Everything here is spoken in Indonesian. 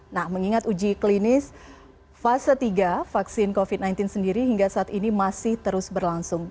nah mengingat uji klinis fase tiga vaksin covid sembilan belas sendiri hingga saat ini masih terus berlangsung